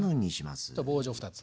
棒状２つ。